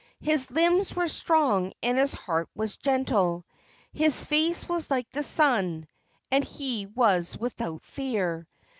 His limbs were strong and his heart was gentle; His face was like the sun, and he was without fear.